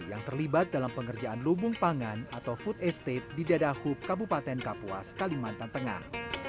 yang terlibat dalam pengerjaan lubung pangan atau food estate di dadahub kabupaten kapuas kalimantan tengah